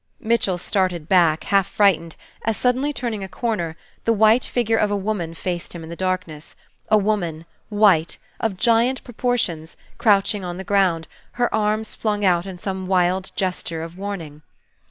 Mitchell started back, half frightened, as, suddenly turning a corner, the white figure of a woman faced him in the darkness, a woman, white, of giant proportions, crouching on the ground, her arms flung out in some wild gesture of warning.